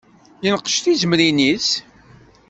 Yenqec tizemrin-is.